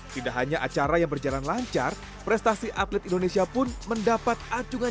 tidak hanya acara yang berjalan lancar prestasi atlet indonesia pun mendapat acungan